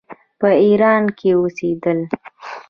په ایران کې اوسېدل.